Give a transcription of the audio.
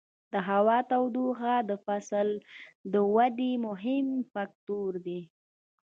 د هوا تودوخه د فصل د ودې مهم فکتور دی.